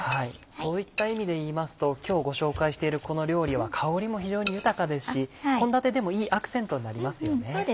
そういった意味でいいますと今日ご紹介しているこの料理は香りも非常に豊かですし献立でもいいアクセントになりますよね。